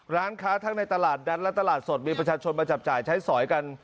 ร้านค้าทั้งในตลาดนัดและตลาดสดมีประชาชนมาจับจ่ายใช้สอยกัน